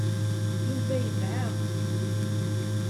Yuba yedɛa.